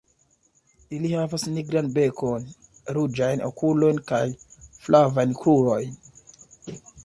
Ili havas nigran bekon, ruĝajn okulojn kaj flavajn krurojn.